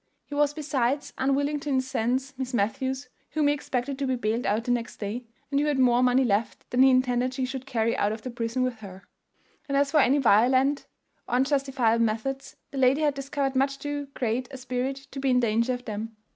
He was besides unwilling to incense Miss Matthews, whom he expected to be bailed out the next day, and who had more money left than he intended she should carry out of the prison with her; and as for any violent or unjustifiable methods, the lady had discovered much too great a spirit to be in danger of them.